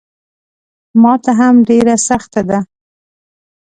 ماته هم ډېره سخته ده.